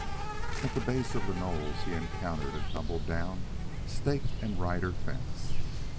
At the base of the knolls he encountered a tumble down stake and rider fence.